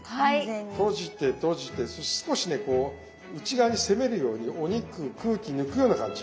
閉じて閉じて少しねこう内側に攻めるようにお肉空気抜くような感じ。